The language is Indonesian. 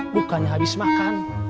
bukannya habis makan